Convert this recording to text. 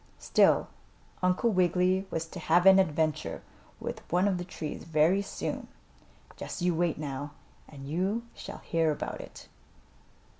Still Uncle Wiggily was to have an adventure with one of the trees very soon. Just you wait, now, and you shall hear about it.